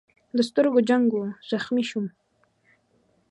د سترګو جنګ و، زخمي شوم.